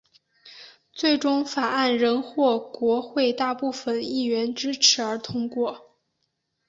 最终法案仍获国会大部份议员支持而通过。